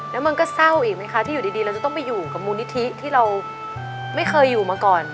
แล้วมันก็เศร้าอีกไหมคะที่อยู่ดีเราจะต้องไปอยู่กับมูลนิธิที่เราไม่เคยอยู่มาก่อน